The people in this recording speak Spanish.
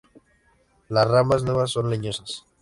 Las ramas nuevas son leñosas.